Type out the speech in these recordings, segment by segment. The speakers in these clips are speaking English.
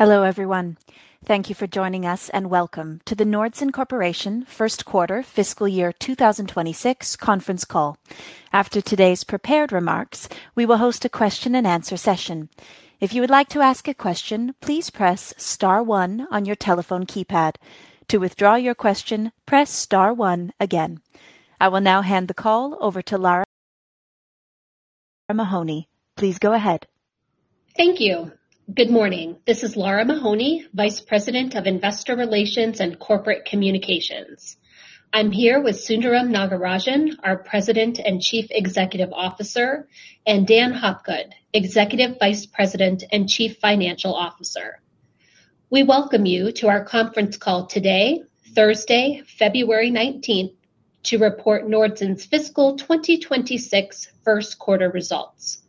Hello, everyone. Thank you for joining us, and welcome to the Nordson Corporation First Quarter Fiscal Year 2026 conference call. After today's prepared remarks, we will host a question and answer session. If you would like to ask a question, please press star one on your telephone keypad. To withdraw your question, press star one again. I will now hand the call over to Lara Mahoney. Please go ahead. Thank you. Good morning. This is Lara Mahoney, Vice President of Investor Relations and Corporate Communications. I'm here with Sundaram Nagarajan, our President and Chief Executive Officer, and Daniel Hopgood, Executive Vice President and Chief Financial Officer. We welcome you to our conference call today, Thursday, February 19, to report Nordson's fiscal 2026 first quarter results.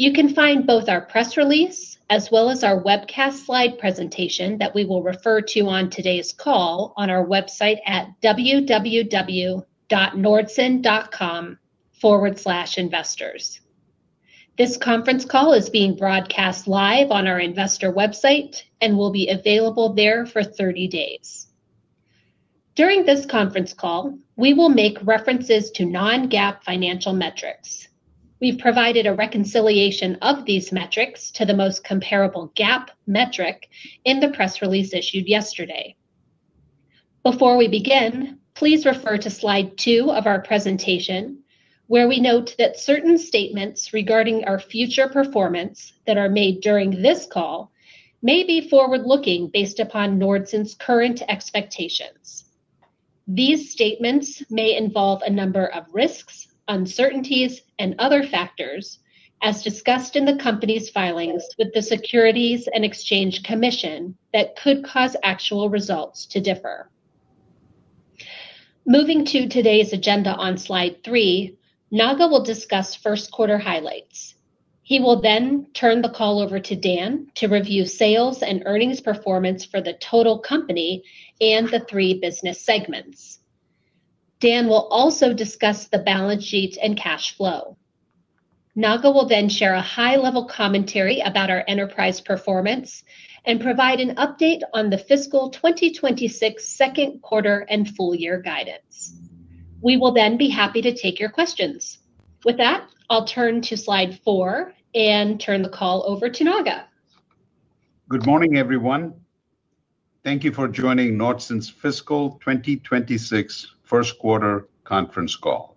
You can find both our press release as well as our webcast slide presentation that we will refer to on today's call on our website at www.nordson.com/investors. This conference call is being broadcast live on our investor website and will be available there for 30 days. During this conference call, we will make references to non-GAAP financial metrics. We've provided a reconciliation of these metrics to the most comparable GAAP metric in the press release issued yesterday. Before we begin, please refer to slide 2 of our presentation, where we note that certain statements regarding our future performance that are made during this call may be forward-looking based upon Nordson's current expectations. These statements may involve a number of risks, uncertainties, and other factors, as discussed in the company's filings with the Securities and Exchange Commission, that could cause actual results to differ. Moving to today's agenda on slide 3, Sundaram will discuss first quarter highlights. He will then turn the call over to Dan to review sales and earnings performance for the total company and the three business segments. Dan will also discuss the balance sheet and cash flow. Sundaram will then share a high-level commentary about our enterprise performance and provide an update on the fiscal 2026 second quarter and full year guidance. We will then be happy to take your questions. With that, I'll turn to slide four and turn the call over to Sundaram. Good morning, everyone. Thank you for joining Nordson's Fiscal 2026 first quarter conference call.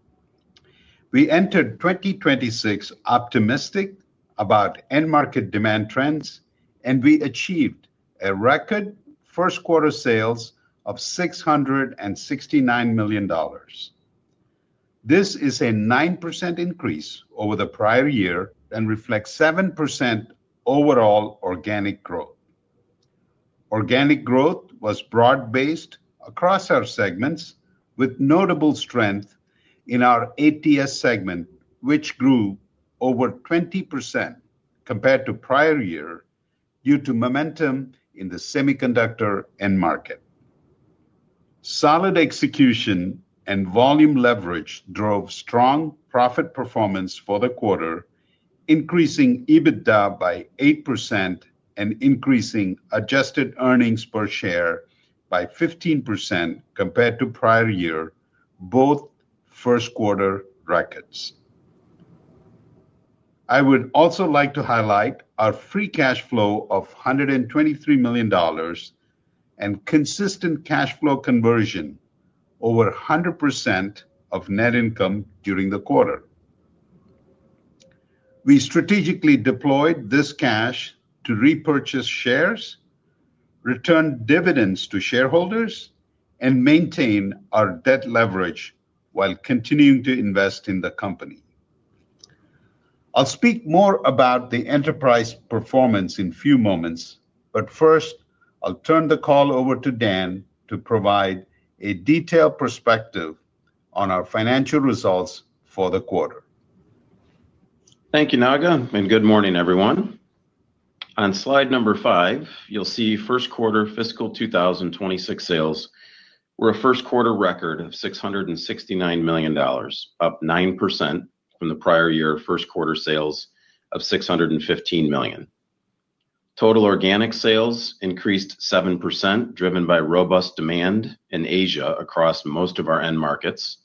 We entered 2026 optimistic about end market demand trends, and we achieved a record first quarter sales of $669 million. This is a 9% increase over the prior year and reflects 7% overall organic growth. Organic growth was broad-based across our segments, with notable strength in our ATS segment, which grew over 20% compared to prior year due to momentum in the semiconductor end market. Solid execution and volume leverage drove strong profit performance for the quarter, increasing EBITDA by 8% and increasing adjusted earnings per share by 15% compared to prior year, both first quarter records. I would also like to highlight our free cash flow of $123 million and consistent cash flow conversion over 100% of net income during the quarter. We strategically deployed this cash to repurchase shares, return dividends to shareholders, and maintain our debt leverage while continuing to invest in the company. I'll speak more about the enterprise performance in few moments, but first, I'll turn the call over to Dan to provide a detailed perspective on our financial results for the quarter. Thank you, Sundaram, and good morning, everyone. On slide number 5, you'll see first quarter fiscal 2026 sales were a first quarter record of $669 million, up 9% from the prior year first quarter sales of $615 million. Total organic sales increased 7%, driven by robust demand in Asia across most of our end markets.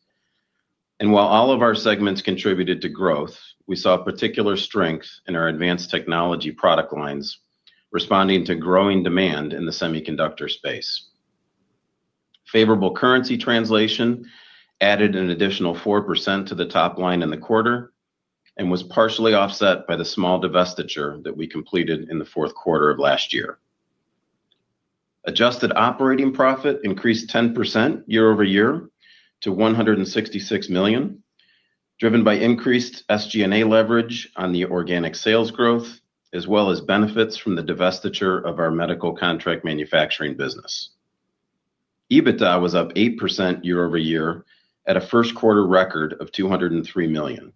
And while all of our segments contributed to growth, we saw particular strength in our advanced technology product lines, responding to growing demand in the semiconductor space. Favorable currency translation added an additional 4% to the top line in the quarter and was partially offset by the small divestiture that we completed in the fourth quarter of last year. Adjusted operating profit increased 10% year-over-year to $166 million, driven by increased SG&A leverage on the organic sales growth, as well as benefits from the divestiture of our medical contract manufacturing business. EBITDA was up 8% year-over-year at a first quarter record of $203 million.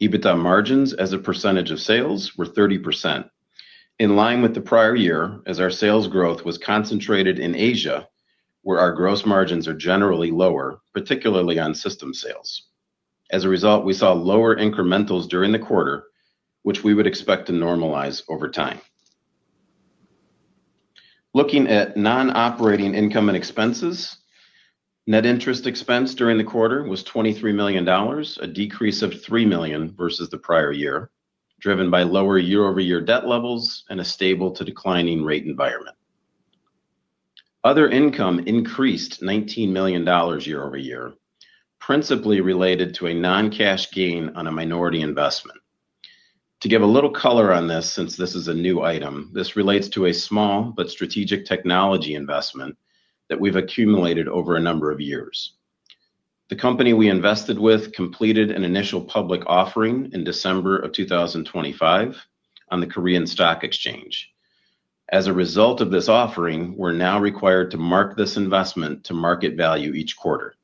EBITDA margins as a percentage of sales were 30%, in line with the prior year as our sales growth was concentrated in Asia, where our gross margins are generally lower, particularly on system sales. As a result, we saw lower incrementals during the quarter, which we would expect to normalize over time. Looking at non-operating income and expenses, net interest expense during the quarter was $23 million, a decrease of $3 million versus the prior year, driven by lower year-over-year debt levels and a stable to declining rate environment. Other income increased $19 million year-over-year, principally related to a non-cash gain on a minority investment. To give a little color on this, since this is a new item, this relates to a small but strategic technology investment that we've accumulated over a number of years. The company we invested with completed an initial public offering in December 2025 on the Korean Stock Exchange. As a result of this offering, we're now required to mark this investment to market value each quarter.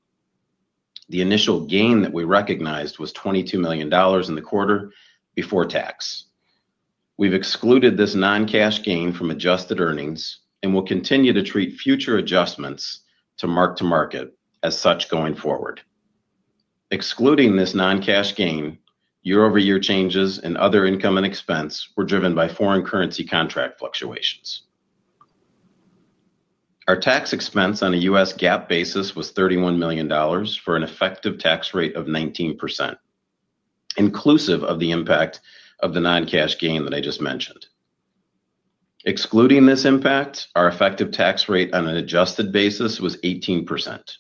The initial gain that we recognized was $22 million in the quarter before tax. We've excluded this non-cash gain from adjusted earnings and will continue to treat future adjustments to mark-to-market as such going forward. Excluding this non-cash gain, year-over-year changes in other income and expense were driven by foreign currency contract fluctuations. Our tax expense on a U.S. GAAP basis was $31 million, for an effective tax rate of 19%, inclusive of the impact of the non-cash gain that I just mentioned. Excluding this impact, our effective tax rate on an adjusted basis was 18%.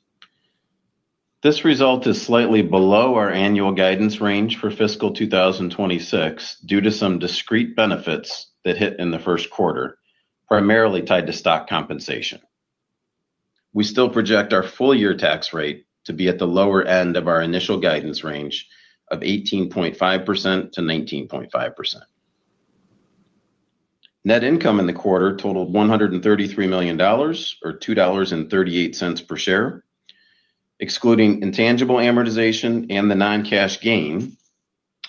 This result is slightly below our annual guidance range for fiscal 2026 due to some discrete benefits that hit in the first quarter, primarily tied to stock compensation. We still project our full year tax rate to be at the lower end of our initial guidance range of 18.5%-19.5%. Net income in the quarter totaled $133 million, or $2.38 per share. Excluding intangible amortization and the non-cash gain,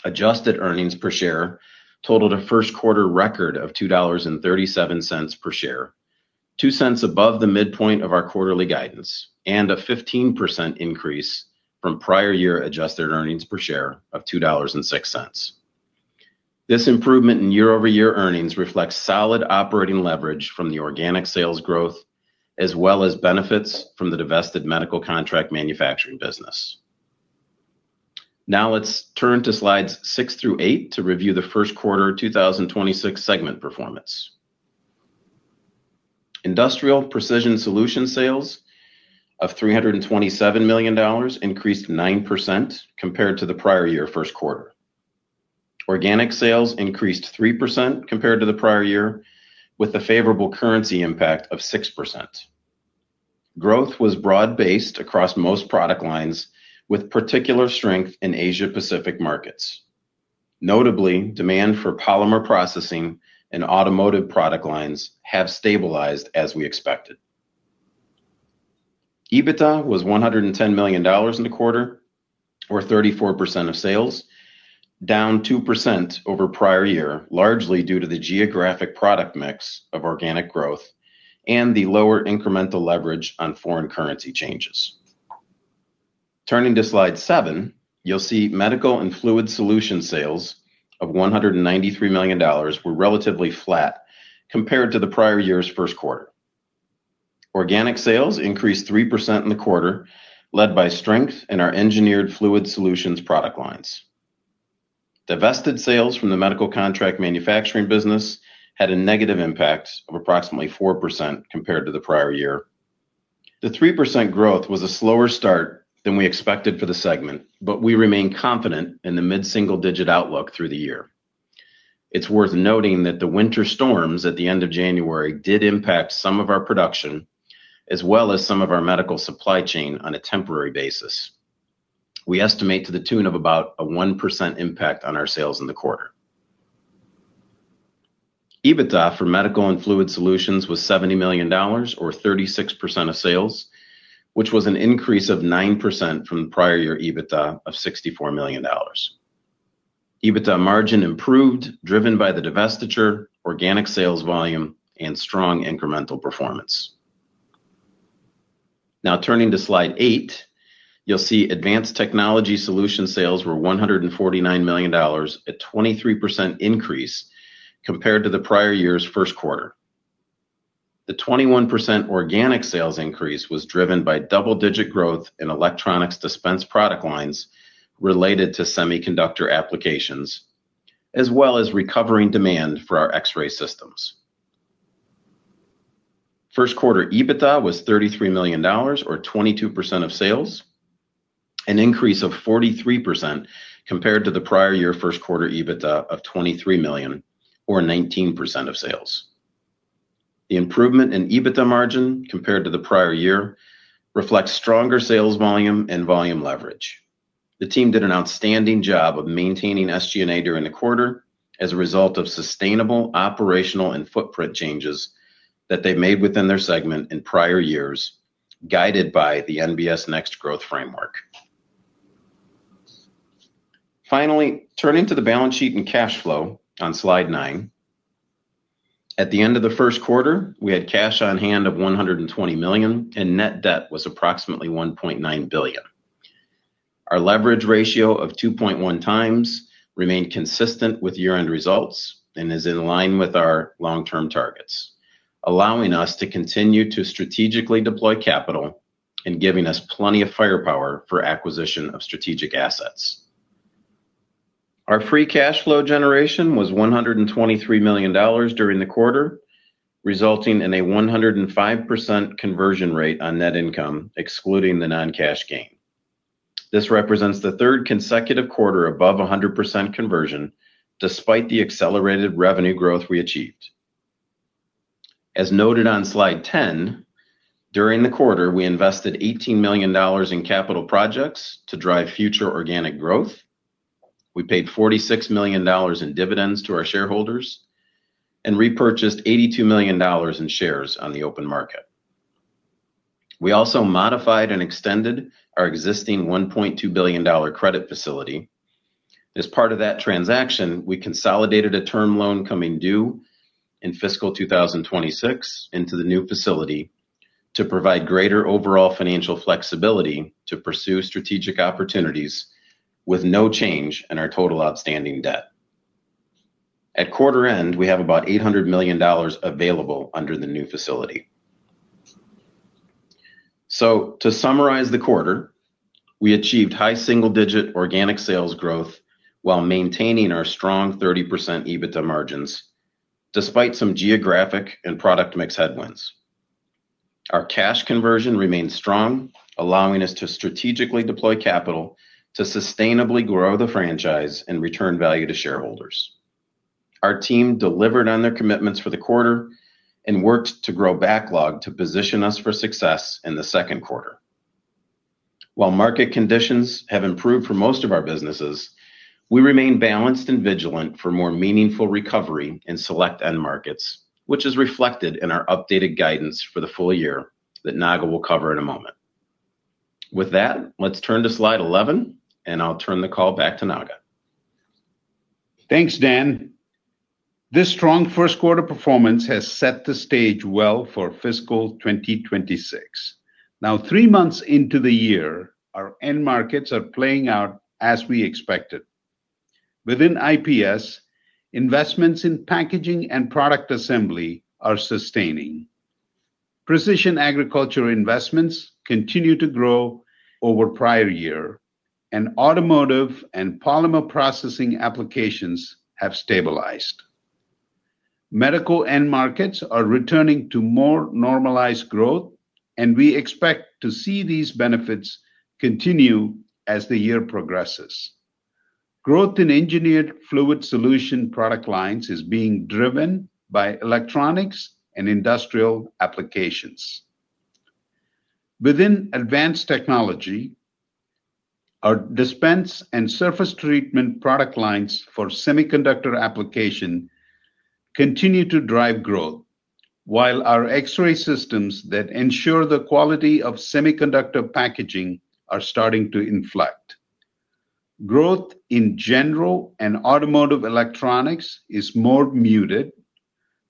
adjusted earnings per share totaled a first quarter record of $2.37 per share, $0.02 above the midpoint of our quarterly guidance, and a 15% increase from prior year adjusted earnings per share of $2.06. This improvement in year-over-year earnings reflects solid operating leverage from the organic sales growth, as well as benefits from the divested medical contract manufacturing business. Now, let's turn to slides 6 through 8 to review the first quarter 2026 segment performance. Industrial Precision Solutions sales of $327 million increased 9% compared to the prior year first quarter. Organic sales increased 3% compared to the prior year, with a favorable currency impact of 6%. Growth was broad-based across most product lines, with particular strength in Asia-Pacific markets. Notably, demand for polymer processing and automotive product lines have stabilized as we expected. EBITDA was $110 million in the quarter, or 34% of sales, down 2% over prior year, largely due to the geographic product mix of organic growth and the lower incremental leverage on foreign currency changes. Turning to slide 7, you'll see Medical and Fluid Solutions sales of $193 million were relatively flat compared to the prior year's first quarter. Organic sales increased 3% in the quarter, led by strength in our engineered fluid solutions product lines. Divested sales from the medical contract manufacturing business had a negative impact of approximately 4% compared to the prior year. The 3% growth was a slower start than we expected for the segment, but we remain confident in the mid-single-digit outlook through the year. It's worth noting that the winter storms at the end of January did impact some of our production, as well as some of our medical supply chain on a temporary basis. We estimate to the tune of about a 1% impact on our sales in the quarter. EBITDA for Medical and Fluid Solutions was $70 million or 36% of sales, which was an increase of 9% from the prior year EBITDA of $64 million. EBITDA margin improved, driven by the divestiture, organic sales volume, and strong incremental performance. Now, turning to slide 8, you'll see Advanced Technology Solutions sales were $149 million, a 23% increase compared to the prior year's first quarter. The 21% organic sales increase was driven by double-digit growth in electronics dispense product lines related to semiconductor applications, as well as recovering demand for our X-ray systems. First quarter EBITDA was $33 million or 22% of sales, an increase of 43% compared to the prior year first quarter EBITDA of $23 million or 19% of sales. The improvement in EBITDA margin compared to the prior year reflects stronger sales volume and volume leverage. The team did an outstanding job of maintaining SG&A during the quarter as a result of sustainable operational and footprint changes that they made within their segment in prior years, guided by the NBS Next Growth Framework. Finally, turning to the balance sheet and cash flow on slide 9.... At the end of the first quarter, we had cash on hand of $120 million, and net debt was approximately $1.9 billion. Our leverage ratio of 2.1x remained consistent with year-end results and is in line with our long-term targets, allowing us to continue to strategically deploy capital and giving us plenty of firepower for acquisition of strategic assets. Our free cash flow generation was $123 million during the quarter, resulting in a 105% conversion rate on net income, excluding the non-cash gain. This represents the third consecutive quarter above 100% conversion, despite the accelerated revenue growth we achieved. As noted on slide 10, during the quarter, we invested $18 million in capital projects to drive future organic growth. We paid $46 million in dividends to our shareholders and repurchased $82 million in shares on the open market. We also modified and extended our existing $1.2 billion credit facility. As part of that transaction, we consolidated a term loan coming due in fiscal 2026 into the new facility to provide greater overall financial flexibility to pursue strategic opportunities with no change in our total outstanding debt. At quarter end, we have about $800 million available under the new facility. To summarize the quarter, we achieved high single-digit organic sales growth while maintaining our strong 30% EBITDA margins, despite some geographic and product mix headwinds. Our cash conversion remained strong, allowing us to strategically deploy capital to sustainably grow the franchise and return value to shareholders. Our team delivered on their commitments for the quarter and worked to grow backlog to position us for success in the second quarter. While market conditions have improved for most of our businesses, we remain balanced and vigilant for more meaningful recovery in select end markets, which is reflected in our updated guidance for the full year that Sundaram will cover in a moment. With that, let's turn to slide 11, and I'll turn the call back to Sundaram. Thanks, Dan. This strong first quarter performance has set the stage well for fiscal 2026. Now, three months into the year, our end markets are playing out as we expected. Within IPS, investments in packaging and product assembly are sustaining. Precision agriculture investments continue to grow over prior year, and automotive and polymer processing applications have stabilized. Medical end markets are returning to more normalized growth, and we expect to see these benefits continue as the year progresses. Growth in engineered fluid solution product lines is being driven by electronics and industrial applications. Within advanced technology, our dispense and surface treatment product lines for semiconductor application continue to drive growth, while our X-ray systems that ensure the quality of semiconductor packaging are starting to inflect. Growth in general and automotive electronics is more muted,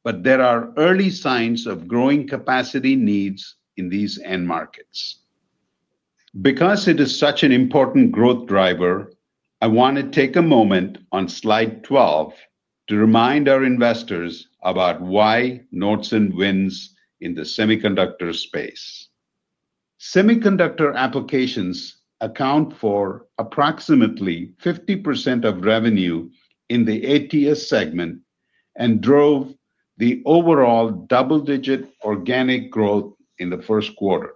but there are early signs of growing capacity needs in these end markets. Because it is such an important growth driver, I want to take a moment on slide 12 to remind our investors about why Nordson wins in the semiconductor space. Semiconductor applications account for approximately 50% of revenue in the ATS segment and drove the overall double-digit organic growth in the first quarter.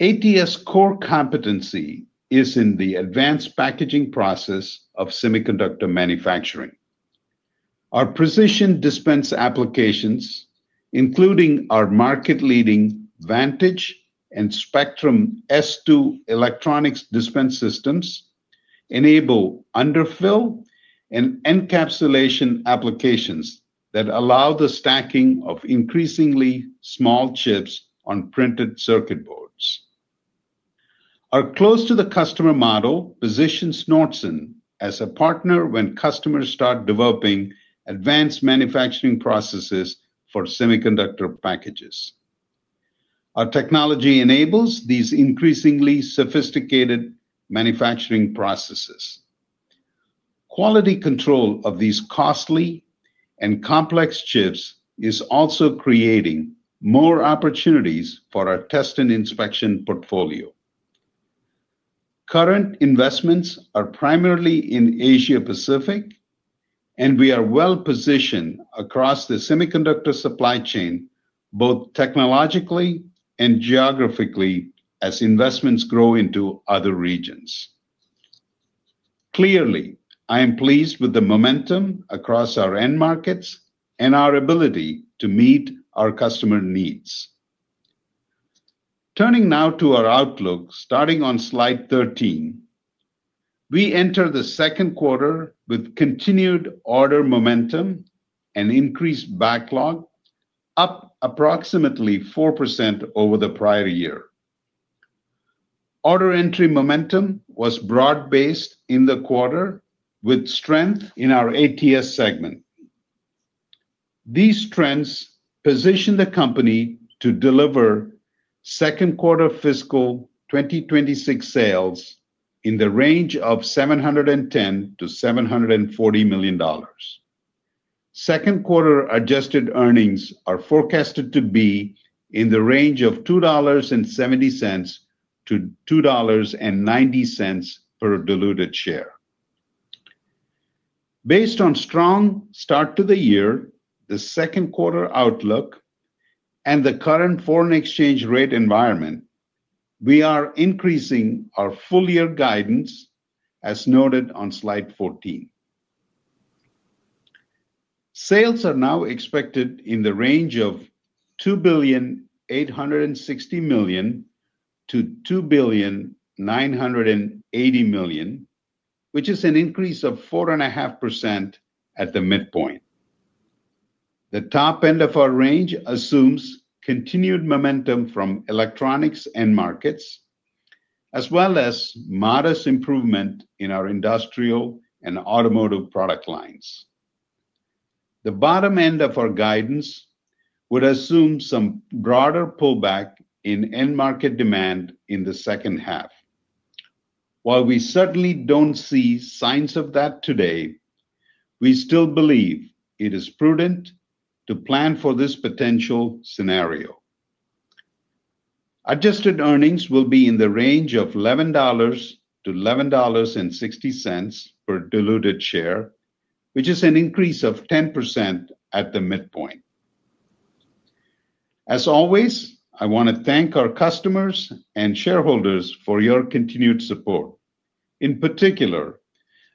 ATS' core competency is in the advanced packaging process of semiconductor manufacturing. Our precision dispense applications, including our market-leading Vantage and Spectrum S2 electronics dispense systems, enable underfill and encapsulation applications that allow the stacking of increasingly small chips on printed circuit boards. Our close to the customer model positions Nordson as a partner when customers start developing advanced manufacturing processes for semiconductor packages. Our technology enables these increasingly sophisticated manufacturing processes. Quality control of these costly and complex chips is also creating more opportunities for our Test and Inspection portfolio. Current investments are primarily in Asia Pacific, and we are well positioned across the semiconductor supply chain, both technologically and geographically, as investments grow into other regions. Clearly, I am pleased with the momentum across our end markets and our ability to meet our customer needs. Turning now to our outlook, starting on slide 13, we enter the second quarter with continued order momentum and increased backlog, up approximately 4% over the prior year. Order entry momentum was broad-based in the quarter, with strength in our ATS segment. These trends position the company to deliver second quarter fiscal 2026 sales in the range of $710 million-$740 million. Second quarter adjusted earnings are forecasted to be in the range of $2.70-$2.90 per diluted share. Based on strong start to the year, the second quarter outlook, and the current foreign exchange rate environment, we are increasing our full-year guidance, as noted on slide 14. Sales are now expected in the range of $2.86 billion-$2.98 billion, which is an increase of 4.5% at the midpoint. The top end of our range assumes continued momentum from electronics end markets, as well as modest improvement in our industrial and automotive product lines. The bottom end of our guidance would assume some broader pullback in end market demand in the second half. While we certainly don't see signs of that today, we still believe it is prudent to plan for this potential scenario. Adjusted earnings will be in the range of $11-$11.60 per diluted share, which is an increase of 10% at the midpoint. As always, I want to thank our customers and shareholders for your continued support. In particular,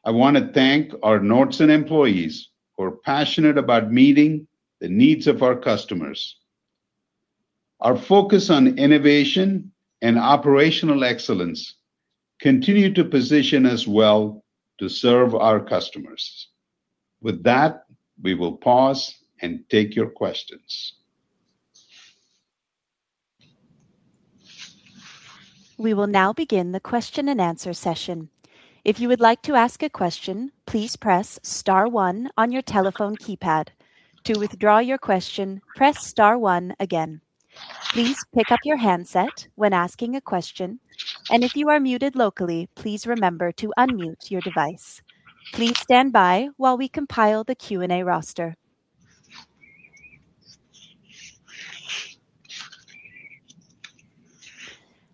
I want to thank our Nordson employees, who are passionate about meeting the needs of our customers. Our focus on innovation and operational excellence continue to position us well to serve our customers. With that, we will pause and take your questions. We will now begin the question-and-answer session. If you would like to ask a question, please press star one on your telephone keypad. To withdraw your question, press star one again. Please pick up your handset when asking a question, and if you are muted locally, please remember to unmute your device. Please stand by while we compile the Q&A roster.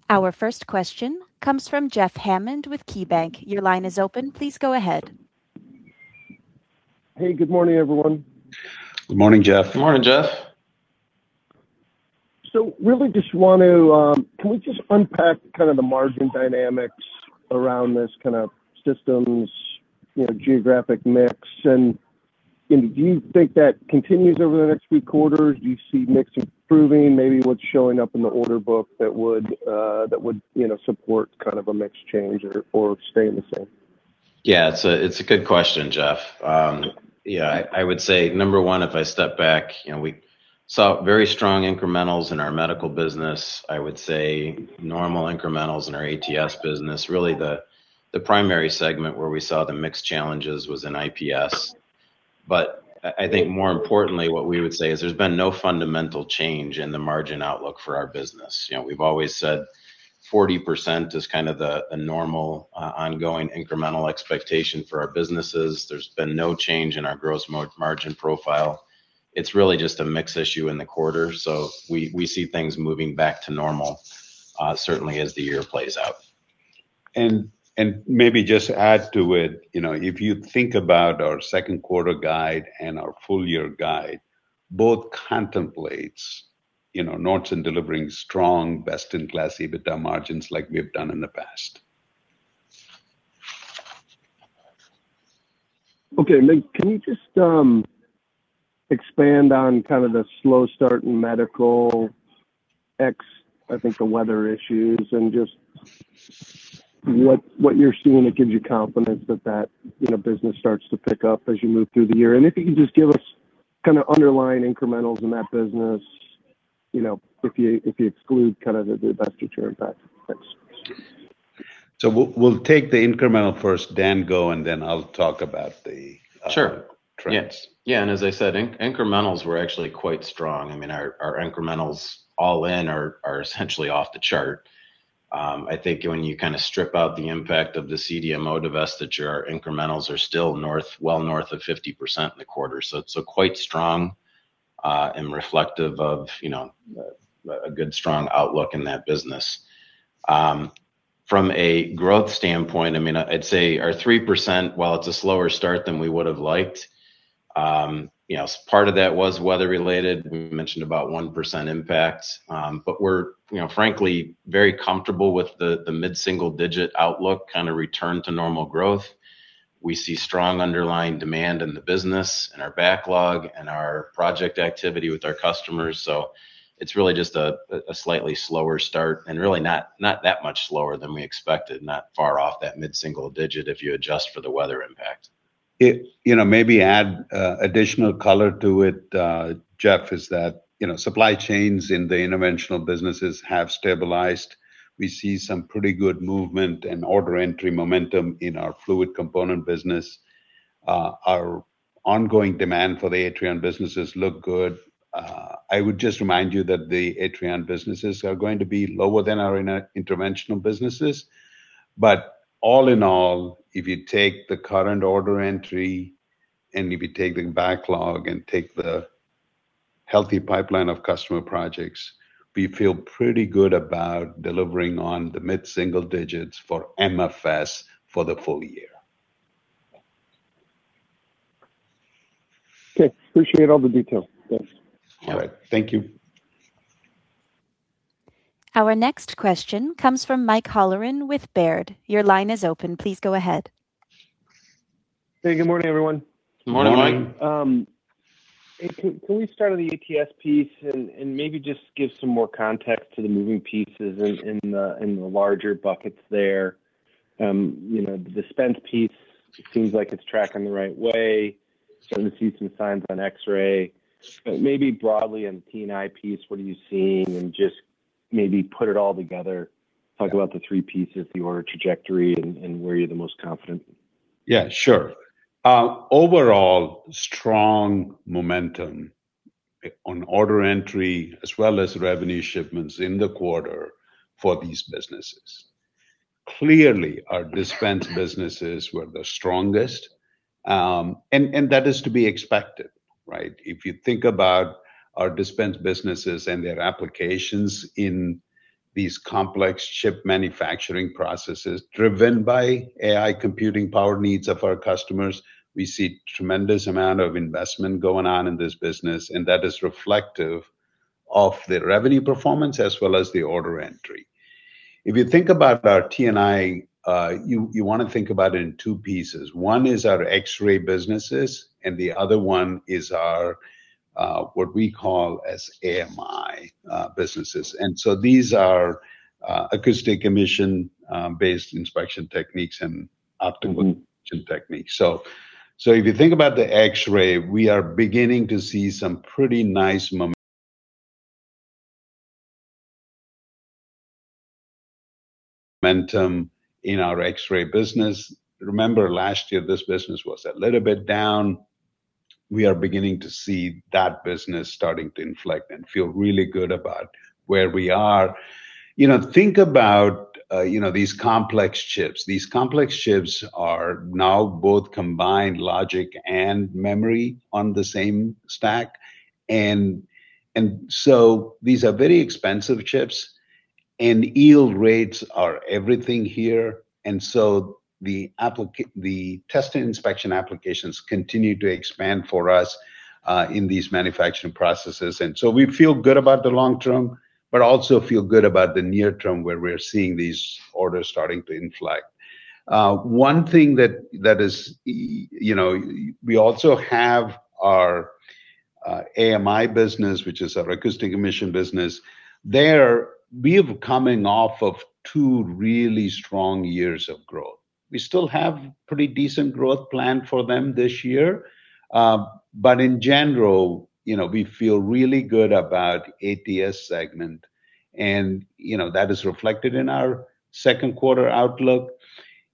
Our first question comes from Jeff Hammond with KeyBanc. Your line is open. Please go ahead. Hey, good morning, everyone. Good morning, Jeff. Good morning, Jeff. So really just want to, Can we just unpack kind of the margin dynamics around this kind of systems, you know, geographic mix? And do you think that continues over the next few quarters? Do you see mix improving, maybe what's showing up in the order book that would, that would, you know, support kind of a mix change or staying the same? Yeah, it's a good question, Jeff. Yeah, I would say, number one, if I step back, you know, we saw very strong incrementals in our medical business, I would say normal incrementals in our ATS business. Really, the primary segment where we saw the mix challenges was in IPS. But I think more importantly, what we would say is there's been no fundamental change in the margin outlook for our business. You know, we've always said 40% is kind of the a normal ongoing incremental expectation for our businesses. There's been no change in our gross margin profile. It's really just a mix issue in the quarter, so we see things moving back to normal, certainly as the year plays out. Maybe just add to it, you know, if you think about our second quarter guide and our full year guide, both contemplates, you know, Nordson delivering strong, best-in-class EBITDA margins like we have done in the past. Okay. Then can you just expand on kind of the slow start in medical, I think the weather issues, and just what you're seeing that gives you confidence that business starts to pick up as you move through the year? And if you can just give us kind of underlying incrementals in that business, you know, if you exclude kind of the divestiture impact. Thanks. So we'll take the incremental first, Dan, go, and then I'll talk about the- Sure. -trends. Yeah, and as I said, incrementals were actually quite strong. I mean, our incrementals all in are essentially off the chart. I think when you kind of strip out the impact of the CDMO divestiture, our incrementals are still north, well north of 50% in the quarter. So quite strong, and reflective of, you know, a good strong outlook in that business. From a growth standpoint, I mean, I'd say our 3%, while it's a slower start than we would have liked, you know, part of that was weather-related. We mentioned about 1% impact, but we're, you know, frankly, very comfortable with the mid-single-digit outlook, kind of return to normal growth. We see strong underlying demand in the business, in our backlog, and our project activity with our customers, so it's really just a slightly slower start and really not that much slower than we expected, not far off that mid-single digit if you adjust for the weather impact.... It, you know, maybe add additional color to it, Jeff, is that, you know, supply chains in the interventional businesses have stabilized. We see some pretty good movement and order entry momentum in our fluid component business. Our ongoing demand for the Atrion businesses look good. I would just remind you that the Atrion businesses are going to be lower than our interventional businesses. But all in all, if you take the current order entry, and if you take the backlog and take the healthy pipeline of customer projects, we feel pretty good about delivering on the mid-single digits for MFS for the full year. Okay. Appreciate all the details. Thanks. All right. Thank you. Our next question comes from Mike Halloran with Baird. Your line is open. Please go ahead. Hey, good morning, everyone. Good morning, Mike. Hey, can we start on the ATS piece and maybe just give some more context to the moving pieces in the larger buckets there? You know, the dispense piece, it seems like it's tracking the right way. Starting to see some signs on X-ray. But maybe broadly, in T&I piece, what are you seeing? And just maybe put it all together, talk about the three pieces, the order trajectory, and where you're the most confident. Yeah, sure. Overall, strong momentum on order entry, as well as revenue shipments in the quarter for these businesses. Clearly, our dispense businesses were the strongest, and that is to be expected, right? If you think about our dispense businesses and their applications in these complex chip manufacturing processes, driven by AI computing power needs of our customers, we see tremendous amount of investment going on in this business, and that is reflective of the revenue performance as well as the order entry. If you think about our T&I, you wanna think about it in two pieces. One is our X-ray businesses, and the other one is our what we call as AMI businesses. And so these are acoustic emission based inspection techniques and optical techniques. So if you think about the X-ray, we are beginning to see some pretty nice momentum in our X-ray business. Remember, last year, this business was a little bit down. We are beginning to see that business starting to inflect and feel really good about where we are. You know, think about, you know, these complex chips. These complex chips are now both combined logic and memory on the same stack, and so these are very expensive chips, and yield rates are everything here. And so the test and inspection applications continue to expand for us, in these manufacturing processes, and so we feel good about the long term, but also feel good about the near term, where we're seeing these orders starting to inflect. One thing, you know, we also have our AMI business, which is our acoustic emission business. There, we have coming off of two really strong years of growth. We still have pretty decent growth planned for them this year, but in general, you know, we feel really good about the ATS segment, and, you know, that is reflected in our second quarter outlook.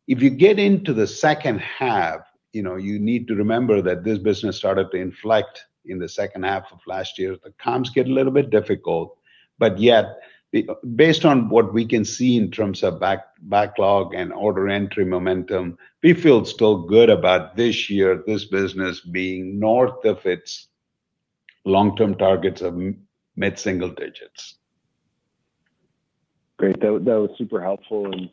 If you get into the second half, you know, you need to remember that this business started to inflect in the second half of last year. The comps get a little bit difficult, but yet, based on what we can see in terms of backlog and order entry momentum, we feel still good about this year, this business being north of its long-term targets of mid-single digits. Great. That was super helpful, and,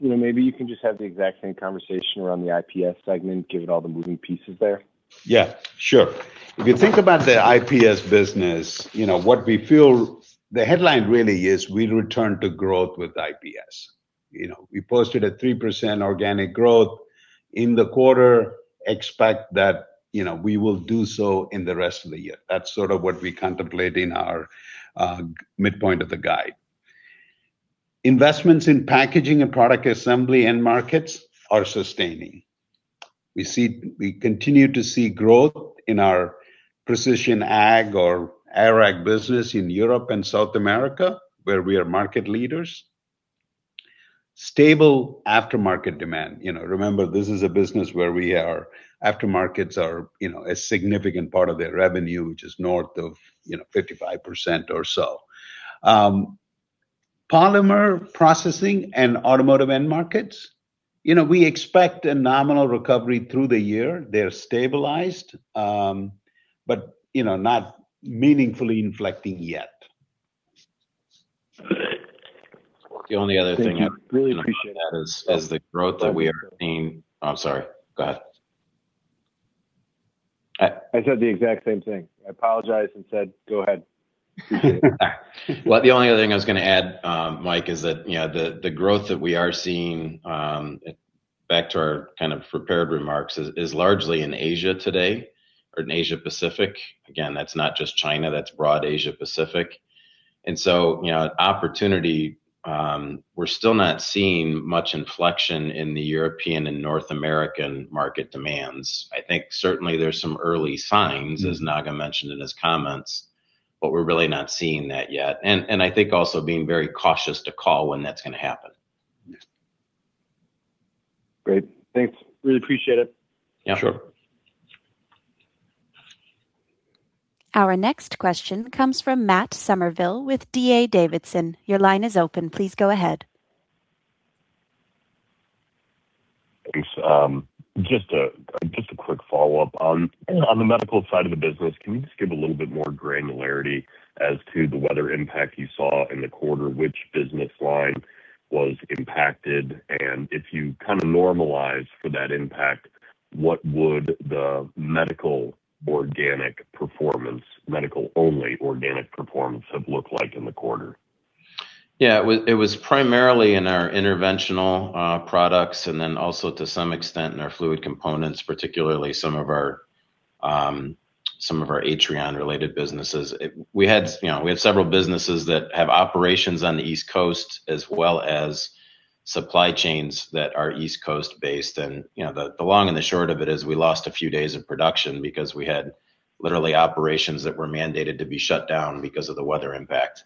you know, maybe you can just have the exact same conversation around the IPS segment, given all the moving pieces there. Yeah, sure. If you think about the IPS business, you know, what we feel, the headline really is we return to growth with IPS. You know, we posted a 3% organic growth in the quarter. Expect that, you know, we will do so in the rest of the year. That's sort of what we contemplate in our midpoint of the guide. Investments in packaging and product assembly end markets are sustaining. We continue to see growth in our Precision Ag or ag business in Europe and South America, where we are market leaders. Stable aftermarket demand. You know, remember, this is a business where aftermarkets are, you know, a significant part of their revenue, which is north of, you know, 55% or so. Polymer processing and automotive end markets, you know, we expect a nominal recovery through the year. They're stabilized, but, you know, not meaningfully inflecting yet. The only other thing I- Thank you. Really appreciate.... As the growth that we are seeing. I'm sorry, go ahead. I- I said the exact same thing. I apologize and said, "Go ahead. Well, the only other thing I was gonna add, Mike, is that, you know, the growth that we are seeing, back to our kind of prepared remarks, is largely in Asia today.... or in Asia Pacific. Again, that's not just China, that's broad Asia Pacific. And so, you know, opportunity, we're still not seeing much inflection in the European and North American market demands. I think certainly there's some early signs, as Sundaram mentioned in his comments, but we're really not seeing that yet. And I think also being very cautious to call when that's gonna happen. Great. Thanks. Really appreciate it. Yeah. Sure. Our next question comes from Matt Summerville with D.A. Davidson. Your line is open. Please go ahead. Thanks. Just a quick follow-up. On the medical side of the business, can you just give a little bit more granularity as to the weather impact you saw in the quarter? Which business line was impacted, and if you kind of normalize for that impact, what would the medical organic performance - medical-only organic performance have looked like in the quarter? Yeah, it was, it was primarily in our interventional products, and then also to some extent in our fluid components, particularly some of our Atrion-related businesses. We had, you know, we had several businesses that have operations on the East Coast, as well as supply chains that are East Coast-based. And, you know, the long and the short of it is we lost a few days of production because we had literally operations that were mandated to be shut down because of the weather impact.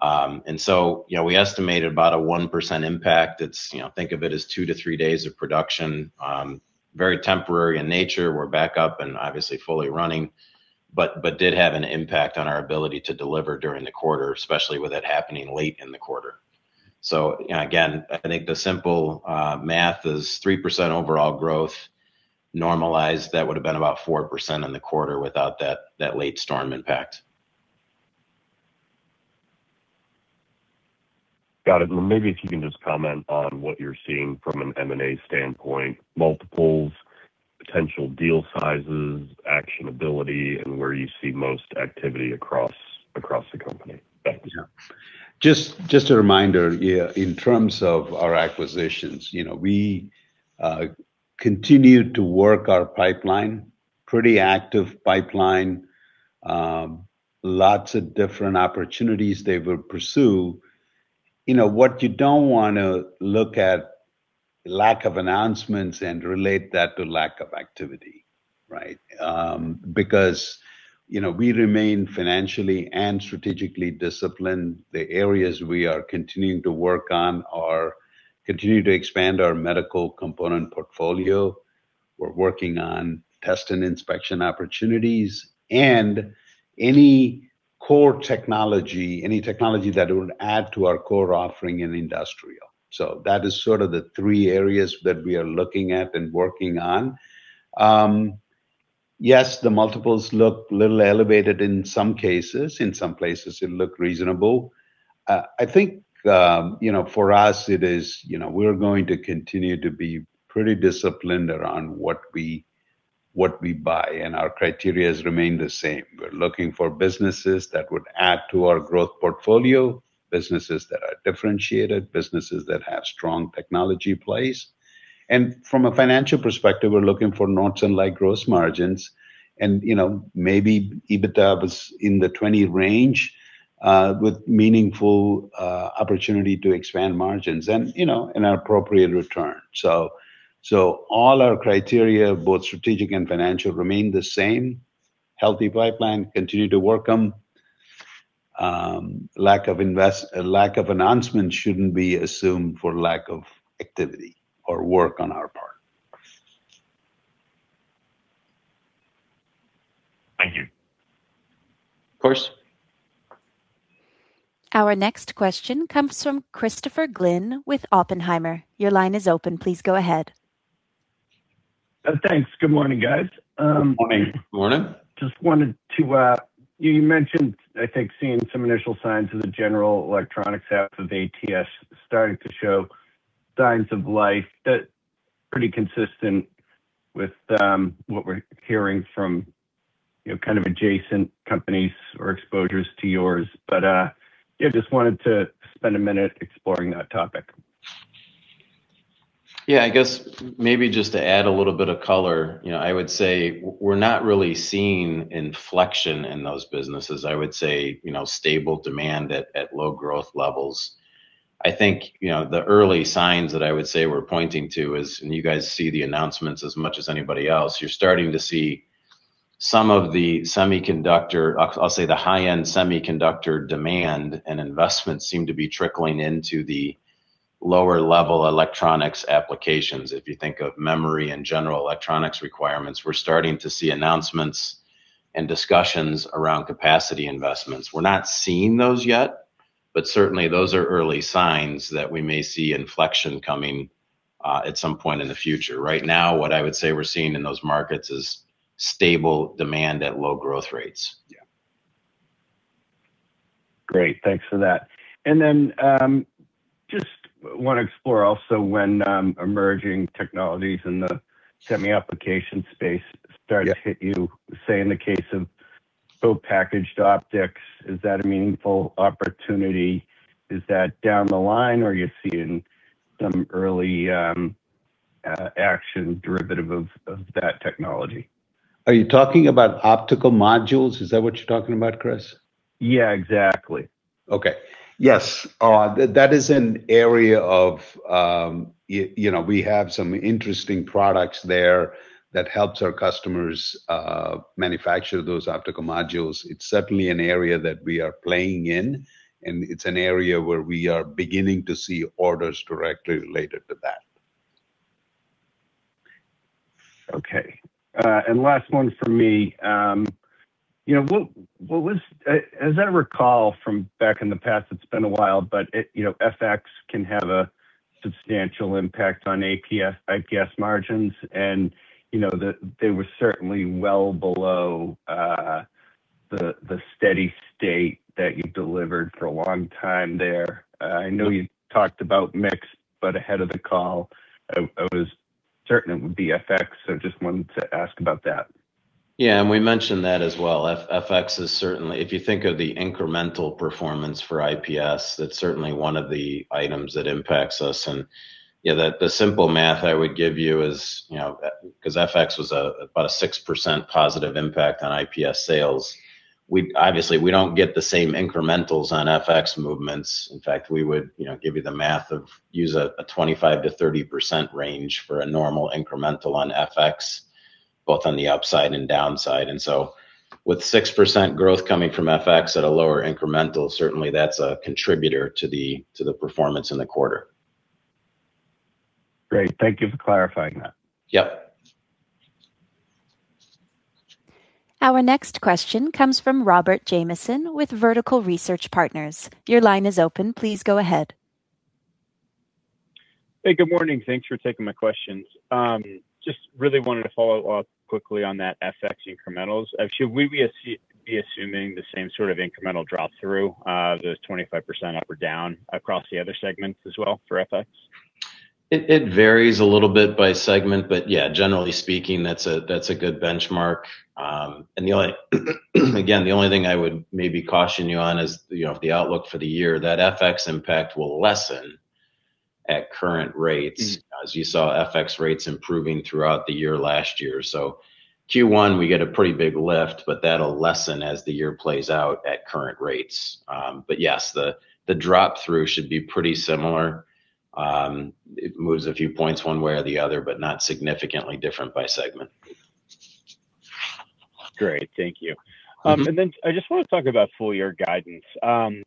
And so, you know, we estimated about a 1% impact. It's... You know, think of it as two to three days of production. Very temporary in nature. We're back up and obviously fully running, but did have an impact on our ability to deliver during the quarter, especially with it happening late in the quarter. So, you know, again, I think the simple math is 3% overall growth. Normalized, that would've been about 4% in the quarter without that late storm impact. Got it. Well, maybe if you can just comment on what you're seeing from an M&A standpoint: multiples, potential deal sizes, actionability, and where you see most activity across, across the company. Yeah. Just, just a reminder, yeah, in terms of our acquisitions, you know, we continue to work our pipeline. Pretty active pipeline. Lots of different opportunities that we'll pursue. You know, what you don't want to look at lack of announcements and relate that to lack of activity, right? Because, you know, we remain financially and strategically disciplined. The areas we are continuing to work on are continuing to expand our Medical component portfolio. We're working on Test and Inspection opportunities and any core technology, any technology that would add to our core offering in Industrial. So that is sort of the three areas that we are looking at and working on. Yes, the multiples look a little elevated in some cases. In some places it look reasonable. I think, you know, for us it is... You know, we're going to continue to be pretty disciplined around what we, what we buy, and our criteria has remained the same. We're looking for businesses that would add to our growth portfolio, businesses that are differentiated, businesses that have strong technology plays. And from a financial perspective, we're looking for Nordson-like gross margins and, you know, maybe EBITDA was in the 20 range, with meaningful opportunity to expand margins and, you know, an appropriate return. So all our criteria, both strategic and financial, remain the same. Healthy pipeline, continue to work on. Lack of announcement shouldn't be assumed for lack of activity or work on our part. Thank you. Of course. Our next question comes from Christopher Glynn with Oppenheimer. Your line is open. Please go ahead. Thanks. Good morning, guys. Good morning. Good morning. Just wanted to. You mentioned, I think, seeing some initial signs of the general electronics half of ATS starting to show signs of life. That's pretty consistent with what we're hearing from, you know, kind of adjacent companies or exposures to yours. But yeah, just wanted to spend a minute exploring that topic. Yeah, I guess maybe just to add a little bit of color. You know, I would say we're not really seeing inflection in those businesses. I would say, you know, stable demand at low growth levels. I think, you know, the early signs that I would say we're pointing to is, and you guys see the announcements as much as anybody else, you're starting to see some of the semiconductor... I'll say the high-end semiconductor demand and investment seem to be trickling into the lower level electronics applications. If you think of memory and general electronics requirements, we're starting to see announcements and discussions around capacity investments. We're not seeing those yet, but certainly those are early signs that we may see inflection coming at some point in the future. Right now, what I would say we're seeing in those markets is stable demand at low growth rates. Yeah. Great, thanks for that. And then, just want to explore also when, emerging technologies in the semi application space start- Yeah... to hit you, say, in the case of, so packaged optics, is that a meaningful opportunity? Is that down the line, or are you seeing some early action derivative of that technology? Are you talking about optical modules? Is that what you're talking about, Chris? Yeah, exactly. Okay. Yes, that, that is an area of, you know, we have some interesting products there that helps our customers manufacture those optical modules. It's certainly an area that we are playing in, and it's an area where we are beginning to see orders directly related to that. Okay. And last one from me. You know, what was, as I recall from back in the past, it's been a while, but you know, FX can have a substantial impact on ATS-IPS margins, and you know, they were certainly well below the steady state that you delivered for a long time there. I know you talked about mix, but ahead of the call, I was certain it would be FX, so just wanted to ask about that. Yeah, and we mentioned that as well. FX is certainly... If you think of the incremental performance for IPS, that's certainly one of the items that impacts us. And, you know, the simple math I would give you is, you know, 'cause FX was about a 6% positive impact on IPS sales. Obviously, we don't get the same incrementals on FX movements. In fact, we would, you know, give you the math of use a 25%-30% range for a normal incremental on FX, both on the upside and downside. And so with 6% growth coming from FX at a lower incremental, certainly that's a contributor to the performance in the quarter. Great. Thank you for clarifying that. Yep. Our next question comes from Robert Jamieson with Vertical Research Partners. Your line is open. Please go ahead. Hey, good morning. Thanks for taking my questions. Just really wanted to follow up quickly on that FX incrementals. Should we be assuming the same sort of incremental drop through, those 25% up or down across the other segments as well for FX? It varies a little bit by segment, but yeah, generally speaking, that's a good benchmark. And the only thing I would maybe caution you on is, you know, the outlook for the year. That FX impact will lessen at current rates. Mm-hmm. As you saw, FX rates improving throughout the year, last year. So Q1, we get a pretty big lift, but that'll lessen as the year plays out at current rates. But yes, the drop through should be pretty similar. It moves a few points one way or the other, but not significantly different by segment. Great. Thank you. Mm-hmm. And then I just want to talk about full year guidance.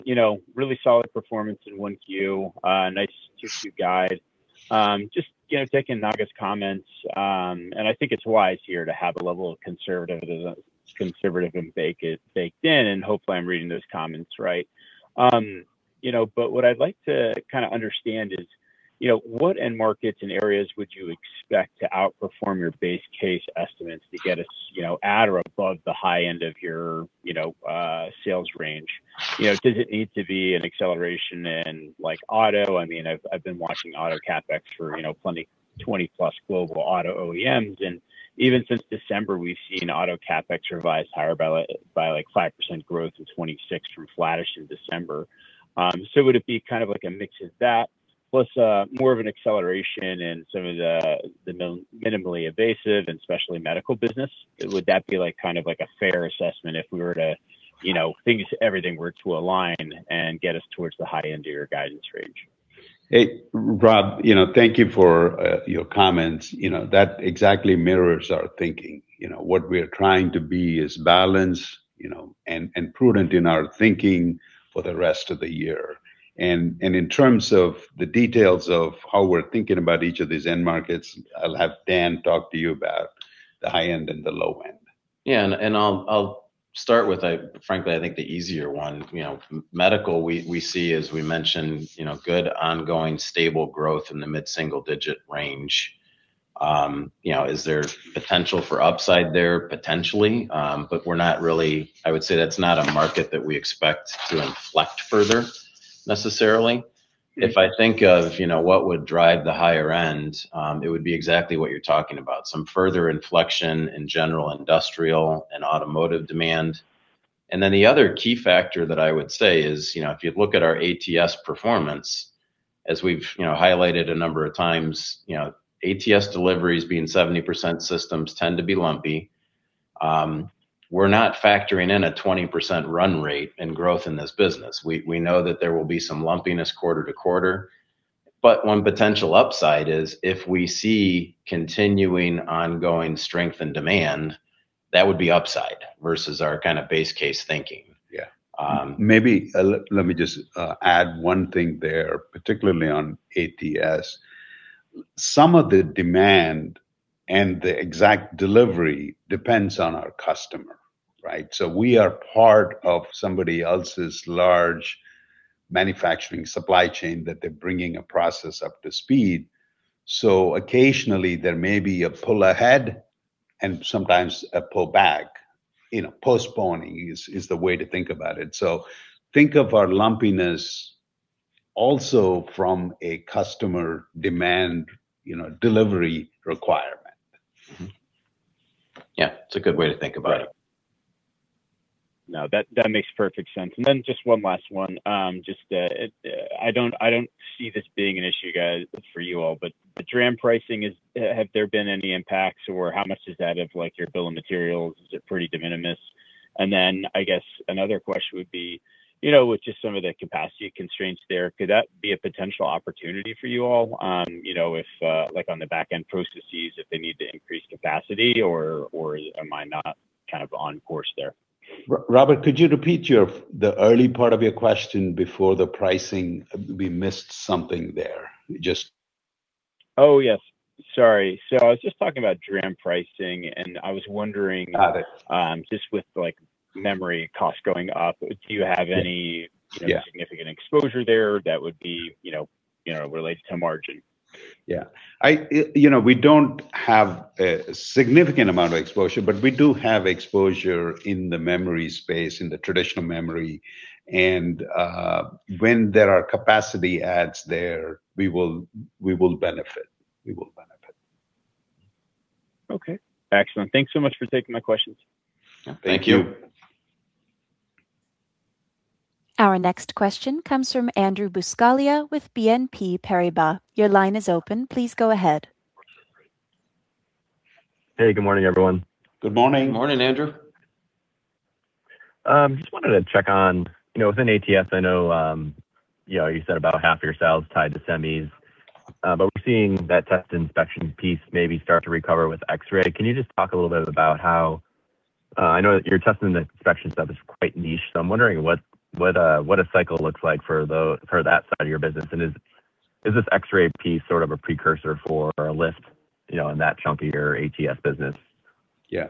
You know, really solid performance in 1Q. Nice Q2 guide. Just, you know, taking Sundaram's comments, and I think it's wise here to have a level of conservative baked in, and hopefully I'm reading those comments right. You know, but what I'd like to kind of understand is, you know, what end markets and areas would you expect to outperform your base case estimates to get us, you know, at or above the high end of your, you know, sales range? You know, does it need to be an acceleration in, like, auto? I mean, I've been watching auto CapEx for, you know, plenty, 20+ global auto OEMs, and even since December, we've seen auto CapEx revised higher by, like, 5% growth in 2026, from flattish in December. So would it be kind of like a mix of that, plus more of an acceleration in some of the minimally invasive and specialty medical business? Would that be, like, kind of like a fair assessment if we were to, you know, everything were to align and get us towards the high end of your guidance range? Hey, Rob, you know, thank you for your comments. You know, that exactly mirrors our thinking. You know, what we are trying to be is balanced, you know, and prudent in our thinking for the rest of the year. And in terms of the details of how we're thinking about each of these end markets, I'll have Dan talk to you about the high end and the low end. Yeah, and I'll start with, frankly, I think, the easier one. You know, medical, we see, as we mentioned, you know, good, ongoing, stable growth in the mid-single-digit range. You know, is there potential for upside there? Potentially, but we're not really. I would say that's not a market that we expect to inflect further necessarily. Yeah. If I think of, you know, what would drive the higher end, it would be exactly what you're talking about, some further inflection in general, industrial, and automotive demand. And then the other key factor that I would say is, you know, if you look at our ATS performance, as we've, you know, highlighted a number of times, you know, ATS deliveries being 70% systems tend to be lumpy. We're not factoring in a 20% run rate in growth in this business. We know that there will be some lumpiness quarter to quarter, but one potential upside is if we see continuing, ongoing strength in demand, that would be upside versus our kind of base case thinking. Yeah. Um- Maybe let me just add one thing there, particularly on ATS. Some of the demand and the exact delivery depends on our customer, right? So we are part of somebody else's large manufacturing supply chain, that they're bringing a process up to speed. So occasionally, there may be a pull ahead and sometimes a pull back. You know, postponing is the way to think about it. So think of our lumpiness also from a customer demand, you know, delivery requirement. Mm-hmm. Yeah, it's a good way to think about it. Right. No, that, that makes perfect sense. And then just one last one, just, I don't see this being an issue, guys, for you all, but the DRAM pricing, is—have there been any impacts, or how much is that of, like, your bill of materials? Is it pretty de minimis? And then, I guess another question would be, you know, with just some of the capacity constraints there, could that be a potential opportunity for you all, you know, if, like, on the back-end processes, if they need to increase capacity, or, or am I not kind of on course there? Robert, could you repeat the early part of your question before the pricing? We missed something there. Just- Oh, yes. Sorry. So I was just talking about DRAM pricing, and I was wondering- Got it... just with, like, memory costs going up, do you have any? Yeah significant exposure there that would be, you know, you know, related to margin? Yeah. I, you know, we don't have a significant amount of exposure, but we do have exposure in the memory space, in the traditional memory, and, when there are capacity adds there, we will, we will benefit. We will benefit. Okay, excellent. Thank you so much for taking my questions. Thank you. Thank you. Our next question comes from Andrew Buscaglia with BNP Paribas. Your line is open. Please go ahead. Hey, good morning, everyone. Good morning. Morning, Andrew. Just wanted to check on, you know, within ATS, I know, you know, you said about half of your sales tied to semis, but we're seeing that test inspection piece maybe start to recover with X-ray. Can you just talk a little bit about how... I know that your testing the inspection stuff is quite niche, so I'm wondering what a cycle looks like for that side of your business, and is this X-ray piece sort of a precursor for a lift, you know, in that chunk of your ATS business? Yeah.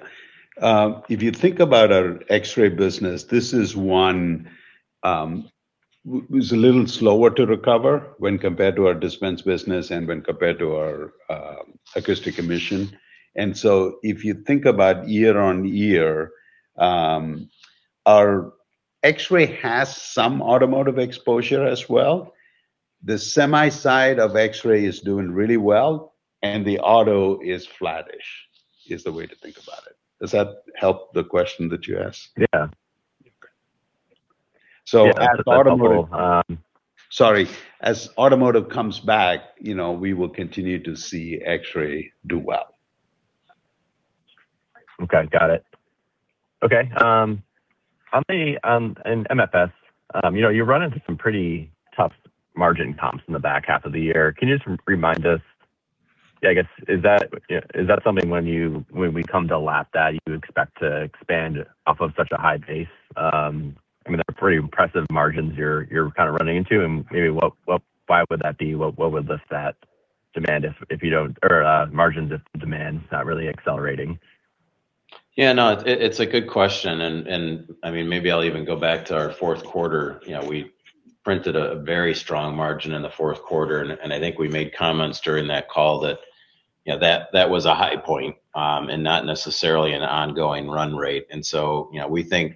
If you think about our X-ray business, this is one was a little slower to recover when compared to our dispense business and when compared to our acoustic emission. And so if you think about year-on-year, our X-ray has some automotive exposure as well. The semi side of X-ray is doing really well, and the auto is flattish, is the way to think about it. Does that help the question that you asked? Yeah. Okay. So as automotive, Sorry. As automotive comes back, you know, we will continue to see X-ray do well. Okay, got it. Okay, on the, in MFS, you know, you run into some pretty tough margin comps in the back half of the year. Can you just remind us... I guess, is that something when you when we come to lap that, you expect to expand off of such a high base? I mean, they're pretty impressive margins you're running into, and maybe what why would that be? What would lift that demand if you don't or margins if the demand is not really accelerating? Yeah, no, it's a good question, and I mean, maybe I'll even go back to our fourth quarter. You know, we printed a very strong margin in the fourth quarter, and I think we made comments during that call that, you know, that was a high point, and not necessarily an ongoing run rate. And so, you know, we think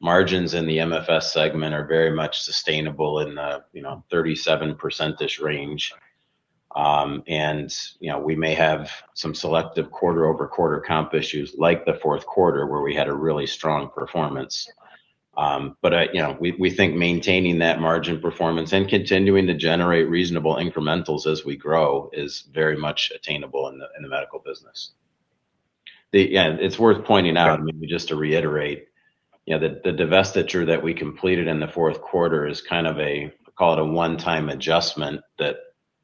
margins in the MFS segment are very much sustainable in the, you know, 37%ish range. And, you know, we may have some selective quarter-over-quarter comp issues, like the fourth quarter, where we had a really strong performance. But, you know, we think maintaining that margin performance and continuing to generate reasonable incrementals as we grow is very much attainable in the, in the medical business. The... Yeah, and it's worth pointing out, and maybe just to reiterate, you know, that the divestiture that we completed in the fourth quarter is kind of a, call it a one-time adjustment that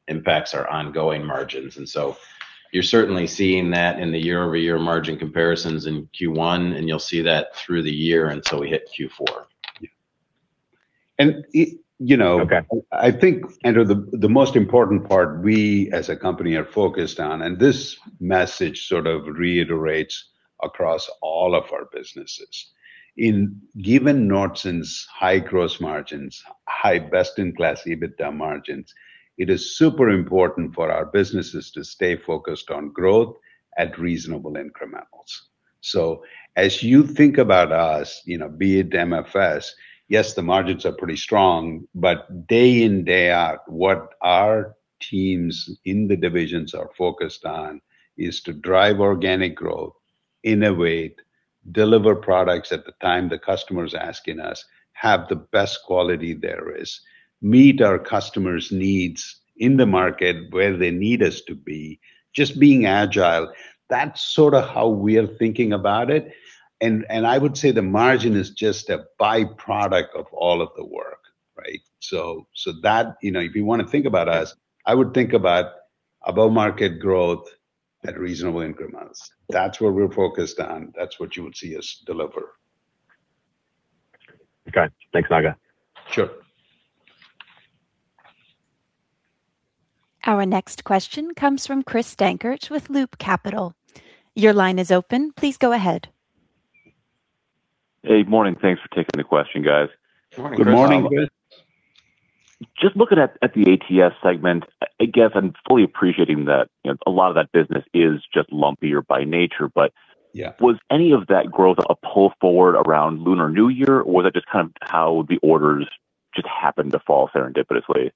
impacts our ongoing margins. And so you're certainly seeing that in the year-over-year margin comparisons in Q1, and you'll see that through the year until we hit Q4. Yeah. And, you know- Okay... I think, Andrew, the most important part we as a company are focused on, and this message sort of reiterates across all of our businesses. In, given Nordson's high gross margins, high best-in-class EBITDA margins, it is super important for our businesses to stay focused on growth at reasonable incrementals. So as you think about us, you know, be it MFS, yes, the margins are pretty strong, but day in, day out, what our teams in the divisions are focused on is to drive organic growth, innovate, deliver products at the time the customer's asking us, have the best quality there is, meet our customers' needs in the market where they need us to be, just being agile. That's sort of how we are thinking about it, and I would say the margin is just a by-product of all of the work, right? So that, you know, if you want to think about us, I would think about above-market growth at reasonable increments. That's what we're focused on. That's what you would see us deliver. Okay. Thanks, Sundaram. Sure. Our next question comes from Chris Dankert with Loop Capital. Your line is open. Please go ahead. Hey, morning. Thanks for taking the question, guys. Good morning, Chris. Good morning. Just looking at the ATS segment, I guess I'm fully appreciating that, you know, a lot of that business is just lumpier by nature, but- Yeah... was any of that growth a pull forward around Lunar New Year, or was that just kind of how the orders just happened to fall serendipitously? ...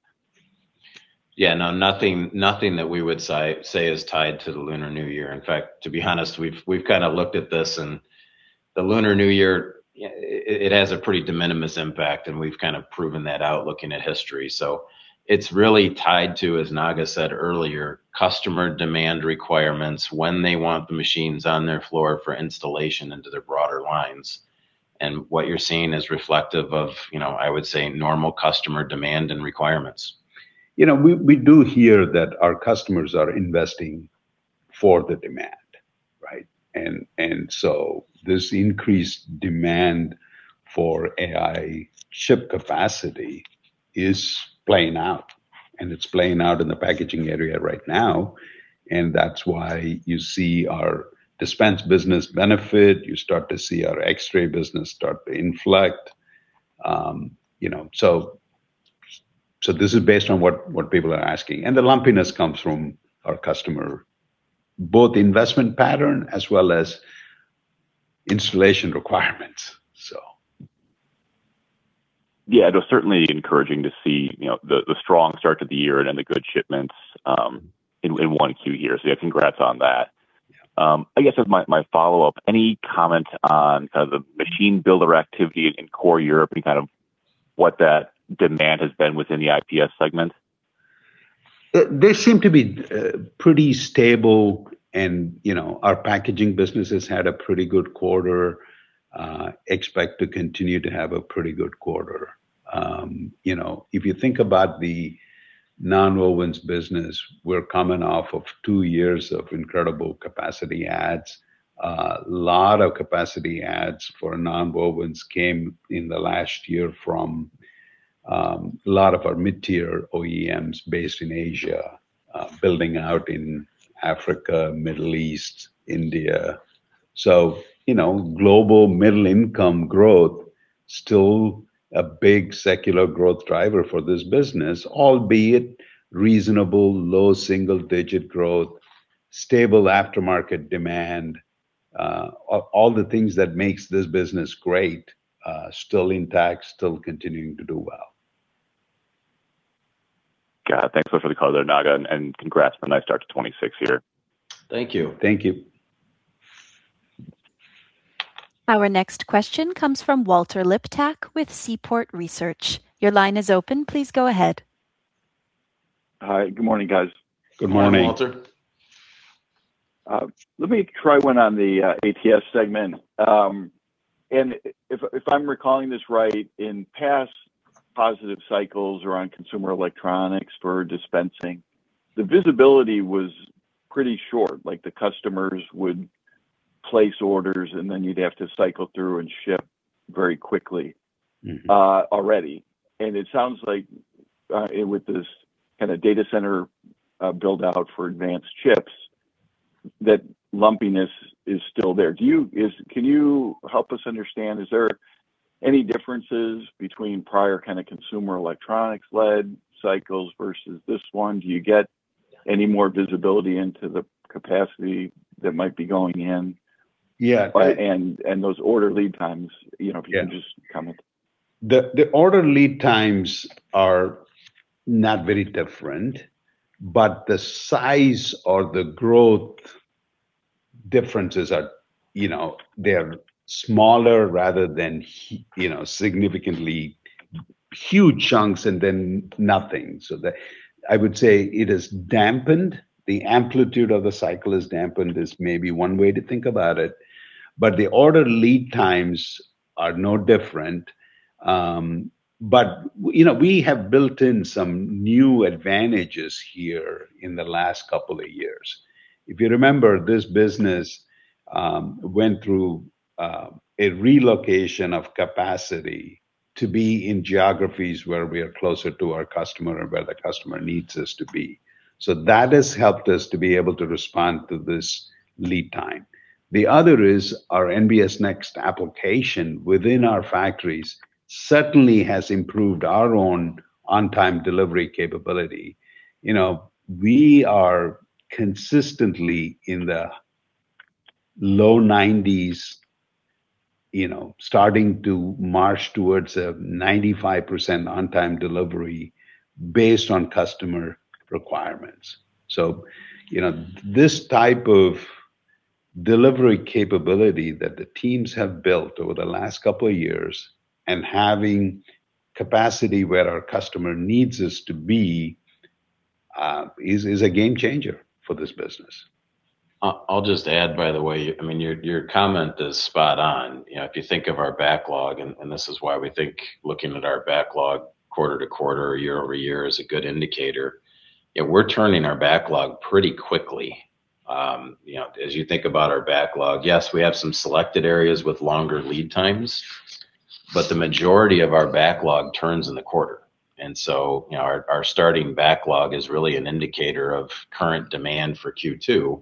Yeah, no, nothing that we would say is tied to the Lunar New Year. In fact, to be honest, we've kind of looked at this, and the Lunar New Year, it has a pretty de minimis impact, and we've kind of proven that out, looking at history. So it's really tied to, as Sundaram said earlier, customer demand requirements, when they want the machines on their floor for installation into their broader lines. And what you're seeing is reflective of, you know, I would say, normal customer demand and requirements. You know, we do hear that our customers are investing for the demand, right? And so this increased demand for AI chip capacity is playing out, and it's playing out in the packaging area right now, and that's why you see our dispense business benefit. You start to see our X-ray business start to inflect. You know, so this is based on what people are asking, and the lumpiness comes from our customer, both investment pattern as well as installation requirements, so. Yeah, it was certainly encouraging to see, you know, the strong start to the year and then the good shipments in 1Q here. So yeah, congrats on that. I guess as my follow-up, any comment on kind of the machine builder activity in core Europe and kind of what that demand has been within the IPS segment? They seem to be pretty stable, and, you know, our packaging business has had a pretty good quarter, expect to continue to have a pretty good quarter. You know, if you think about the nonwovens business, we're coming off of two years of incredible capacity adds. Lot of capacity adds for nonwovens came in the last year from a lot of our mid-tier OEMs based in Asia, building out in Africa, Middle East, India. So, you know, global middle-income growth, still a big secular growth driver for this business, albeit reasonable, low single-digit growth, stable aftermarket demand, all the things that makes this business great, still intact, still continuing to do well. Got it. Thanks so for the color, Sundaram, and congrats on a nice start to the 2026 year. Thank you. Thank you. Our next question comes from Walter Liptak with Seaport Research. Your line is open. Please go ahead. Hi, good morning, guys. Good morning. Good morning, Walter. Let me try one on the ATS segment. And if I'm recalling this right, in past positive cycles or on consumer electronics for dispensing, the visibility was pretty short. Like, the customers would place orders, and then you'd have to cycle through and ship very quickly- Mm-hmm... already. And it sounds like, with this kind of data center build-out for advanced chips, that lumpiness is still there. Can you help us understand, is there any differences between prior kind of consumer electronics lead cycles versus this one? Do you get any more visibility into the capacity that might be going in? Yeah. And those order lead times, you know- Yes... if you can just comment. The order lead times are not very different, but the size or the growth differences are, you know, they are smaller rather than you know, significantly huge chunks and then nothing. So, I would say it is dampened. The amplitude of the cycle is dampened, is maybe one way to think about it, but the order lead times are no different. But, you know, we have built in some new advantages here in the last couple of years. If you remember, this business went through a relocation of capacity to be in geographies where we are closer to our customer or where the customer needs us to be. So that has helped us to be able to respond to this lead time. The other is our NBS Next application within our factories certainly has improved our own on-time delivery capability. You know, we are consistently in the low 90s, you know, starting to march towards a 95% on-time delivery based on customer requirements. So, you know, this type of delivery capability that the teams have built over the last couple of years and having capacity where our customer needs us to be, is a game changer for this business. I'll just add, by the way, I mean, your comment is spot on. You know, if you think of our backlog, and this is why we think looking at our backlog quarter-to-quarter, year-over-year is a good indicator. Yeah, we're turning our backlog pretty quickly. You know, as you think about our backlog, yes, we have some selected areas with longer lead times, but the majority of our backlog turns in the quarter. And so, you know, our starting backlog is really an indicator of current demand for Q2.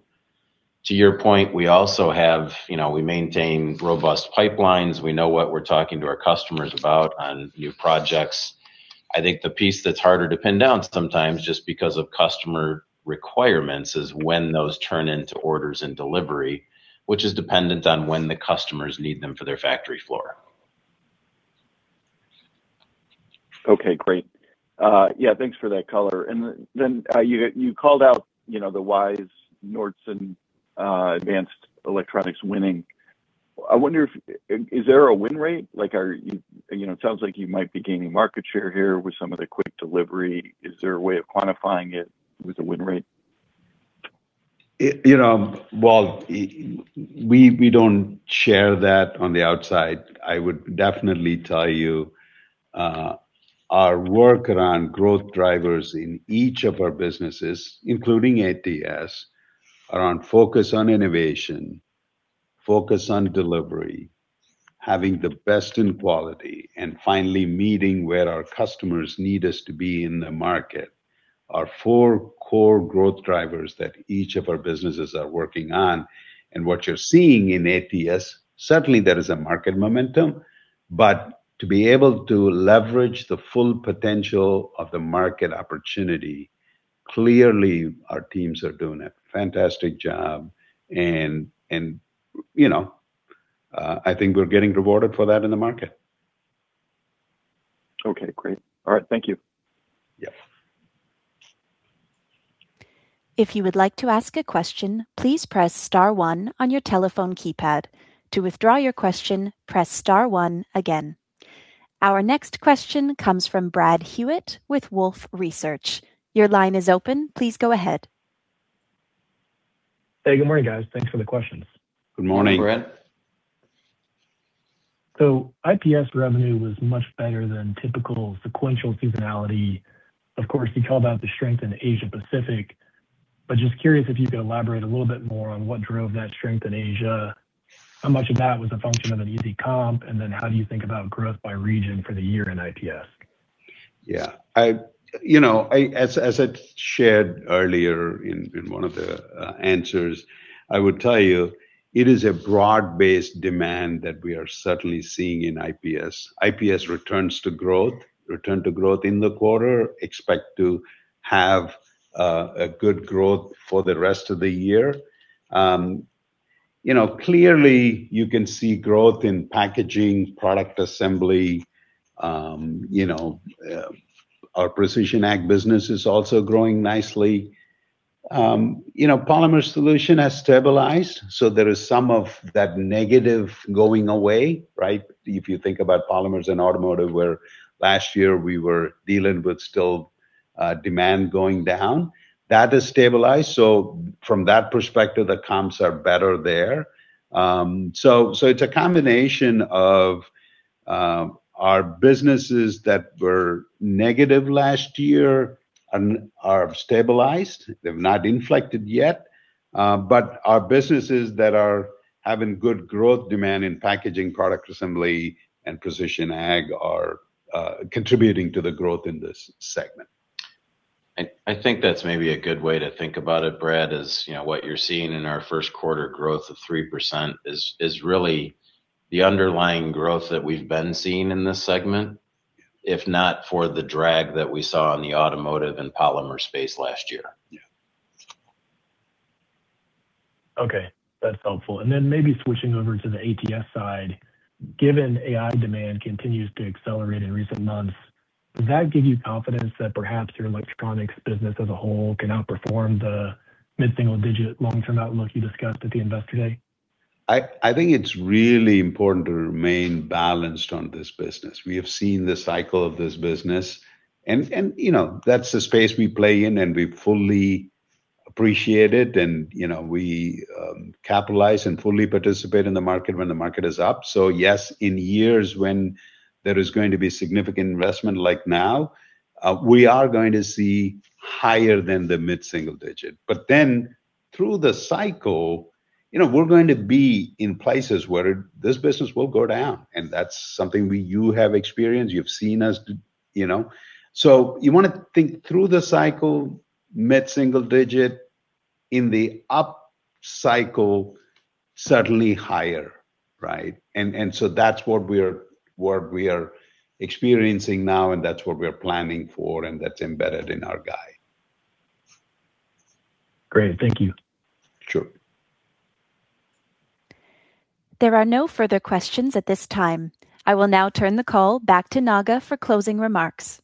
To your point, we also have—you know, we maintain robust pipelines. We know what we're talking to our customers about on new projects. I think the piece that's harder to pin down sometimes, just because of customer requirements, is when those turn into orders and delivery, which is dependent on when the customers need them for their factory floor. Okay, great. Yeah, thanks for that color. You called out, you know, the ways Nordson Advanced Electronics winning. I wonder if, is there a win rate? Like, are you—you know, it sounds like you might be gaining market share here with some of the quick delivery. Is there a way of quantifying it with a win rate? You know, well, we don't share that on the outside. I would definitely tell you our work around growth drivers in each of our businesses, including ATS, around focus on innovation, focus on delivery, having the best in quality, and finally meeting where our customers need us to be in the market, are four core growth drivers that each of our businesses are working on. And you know, I think we're getting rewarded for that in the market. Okay, great. All right. Thank you. Yes. If you would like to ask a question, please press star one on your telephone keypad. To withdraw your question, press star one again. Our next question comes from Brad Hewitt with Wolfe Research. Your line is open. Please go ahead. Hey, good morning, guys. Thanks for the questions. Good morning, Brad. Good morning. So IPS revenue was much better than typical sequential seasonality. Of course, you called out the strength in Asia Pacific, but just curious if you could elaborate a little bit more on what drove that strength in Asia. How much of that was a function of an easy comp? And then how do you think about growth by region for the year in IPS? Yeah, you know, as I'd shared earlier in one of the answers, I would tell you, it is a broad-based demand that we are certainly seeing in IPS. IPS returns to growth, return to growth in the quarter, expect to have a good growth for the rest of the year. You know, clearly you can see growth in packaging, product assembly, you know, our Precision Ag business is also growing nicely. You know, polymer solution has stabilized, so there is some of that negative going away, right? If you think about polymers in automotive, where last year we were dealing with still demand going down. That has stabilized, so from that perspective, the comps are better there. So it's a combination of our businesses that were negative last year and are stabilized. They've not inflected yet, but our businesses that are having good growth demand in packaging, product assembly, and precision ag are contributing to the growth in this segment. I think that's maybe a good way to think about it, Brad, you know, what you're seeing in our first quarter growth of 3% is really the underlying growth that we've been seeing in this segment, if not for the drag that we saw in the automotive and polymer space last year. Yeah. Okay, that's helpful. Then maybe switching over to the ATS side. Given AI demand continues to accelerate in recent months, does that give you confidence that perhaps your electronics business as a whole can outperform the mid-single digit long-term outlook you discussed at the Investor Day? I think it's really important to remain balanced on this business. We have seen the cycle of this business and, you know, that's the space we play in, and we fully appreciate it. And, you know, we capitalize and fully participate in the market when the market is up. So yes, in years when there is going to be significant investment like now, we are going to see higher than the mid-single digit. But then through the cycle, you know, we're going to be in places where this business will go down, and that's something we... You've experienced, you've seen us, you know. So you want to think through the cycle, mid-single digit. In the up cycle, certainly higher, right? And so that's what we are experiencing now, and that's what we're planning for, and that's embedded in our guide. Great. Thank you. Sure. There are no further questions at this time. I will now turn the call back to Sundaram for closing remarks.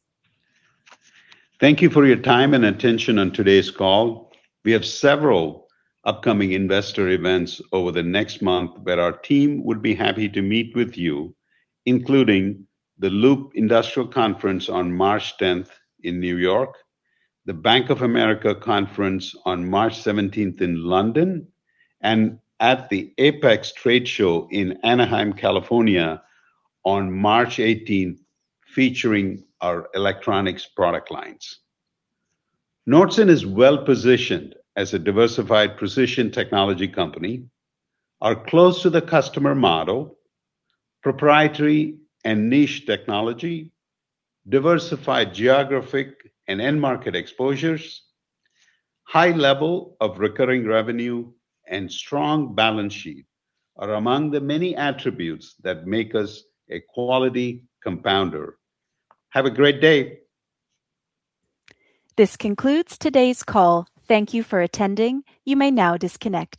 Thank you for your time and attention on today's call. We have several upcoming investor events over the next month, where our team would be happy to meet with you, including the Loop Capital Industrial Conference on March tenth in New York, the Bank of America conference on March seventeenth in London, and at the APEX Trade Show in Anaheim, California, on March eighteenth, featuring our electronics product lines. Nordson is well positioned as a diversified precision technology company. Our close to the customer model, proprietary and niche technology, diversified geographic and end market exposures, high level of recurring revenue, and strong balance sheet are among the many attributes that make us a quality compounder. Have a great day! This concludes today's call. Thank you for attending. You may now disconnect.